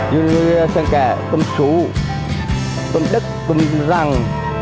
dùm ngay đây tôm sụ tôm đứt tôm răng